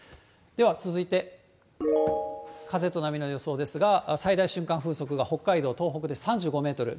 では、続いて、風と波の予想ですが、最大瞬間風速が北海道、東北で３５メートル。